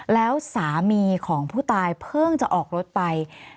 แล้วสามีของผู้ตายเพิ่งจะออกรถไป